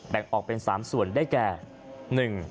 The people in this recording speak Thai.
แบ่งออกเป็น๓ส่วนได้แก่